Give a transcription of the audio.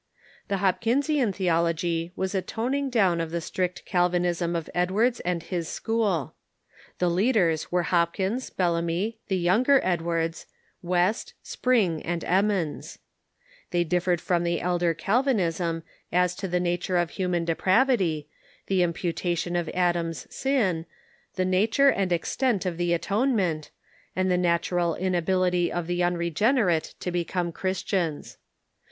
The Ilopkinsian theology Avas a toning down of the strict Calvinism of Edwards and his school. The leaders were Hopkins, IJellamy, the younger Edwards, West, Spring, and Emmons, They differed from the elder Calvinism as to the nature of human depravity, the imputation of Adam's sin, the nature and extent of the atonement, and the natural in ability of the unregenerate to become Christians.